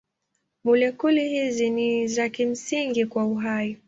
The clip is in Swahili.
Molekuli hizi ni za kimsingi kwa uhai.